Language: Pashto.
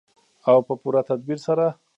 او په پوره تدبیر سره.